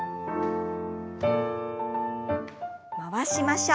回しましょう。